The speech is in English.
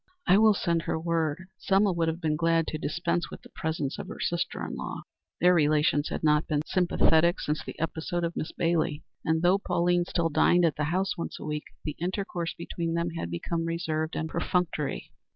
"I will send her word." Selma would have been glad to dispense with the presence of her sister in law. Their relations had not been sympathetic since the episode of Miss Bailey, and, though Pauline still dined at the house once a week, the intercourse between them had become reserved and perfunctory.